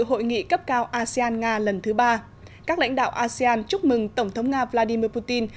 hội nghị cấp cao asean nga lần thứ ba các lãnh đạo asean chúc mừng tổng thống nga vladimir putin